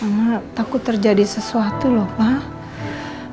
mama takut terjadi sesuatu lho pak